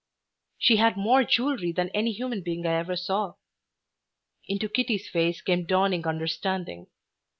"She had more jewelry than any human being I ever saw." Into Kitty's face came dawning understanding.